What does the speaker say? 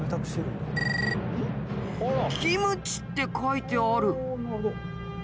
「キムチ」って書いてある。